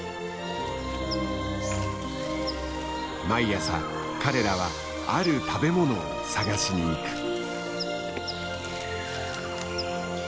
毎朝彼らはある食べ物を探しに行く。